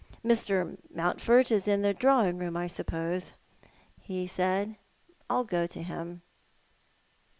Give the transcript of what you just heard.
" Mr. Mountford is in the drawing room, I suppose ?" he said. " I'll go to him."